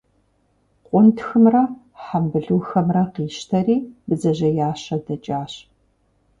Къунтхымрэ хьэмбылухэмрэ къищтэри, бдзэжьеящэ дэкӏащ.